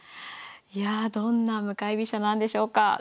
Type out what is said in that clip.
いやどんな向かい飛車なんでしょうか。